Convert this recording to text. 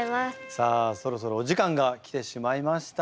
さあそろそろお時間が来てしまいました。